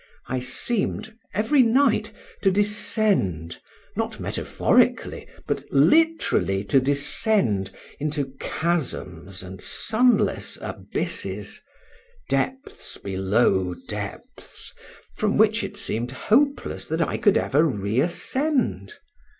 I seemed every night to descend, not metaphorically, but literally to descend, into chasms and sunless abysses, depths below depths, from which it seemed hopeless that I could ever reascend.